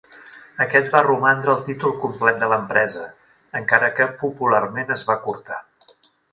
Aquest va romandre el títol complet de l'empresa, encara que popularment es va acurtar.